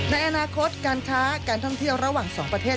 ในอนาคตการค้าการท่องเที่ยวระหว่างสองประเทศ